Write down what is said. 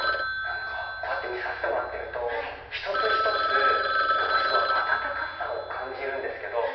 こうやって見させてもらってると一つ一つ温かさを感じるんですけど。